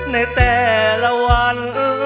ในแต่ละวัน